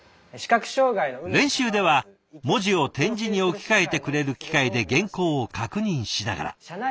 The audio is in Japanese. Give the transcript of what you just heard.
練習では文字を点字に置き換えてくれる機械で原稿を確認しながら。